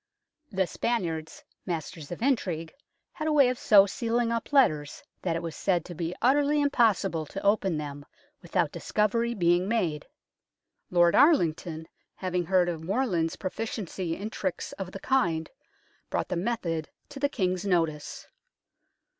The Spaniards, masters of intrigue, had a way of so sealing up letters that it was said to be utterly impossible to open them without discovery being made. Lord Arlington, having heard of Morland's proficiency in tricks of the kind, brought the method to the King's notice.